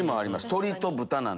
鶏と豚なんで。